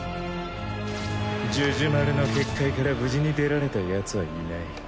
ジュジュマルの結界から無事に出られたヤツはいない。